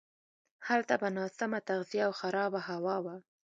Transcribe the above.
هلته به ناسمه تغذیه او خرابه هوا وه.